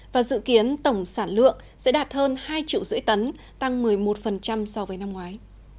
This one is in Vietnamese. và dự kiến tổng sản lượng sẽ đạt hơn hai triệu rưỡi tấn tăng một mươi một so với năm ngoái